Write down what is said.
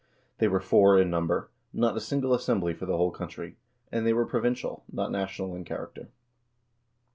They were four in number, not a single assembly for the whole country, and they were provincial, not national in character.